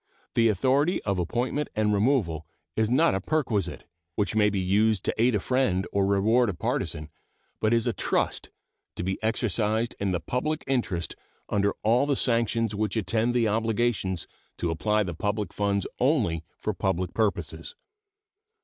The authority of appointment and removal is not a perquisite, which may be used to aid a friend or reward a partisan, but is a trust, to be exercised in the public interest under all the sanctions which attend the obligation to apply the public funds only for public purposes.